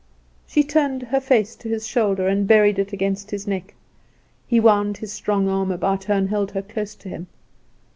She turned her face to his shoulder, and buried it against his neck; he wound his strong arm about her, and held her close to him.